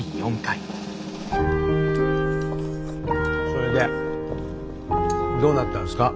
それでどうなったんですか？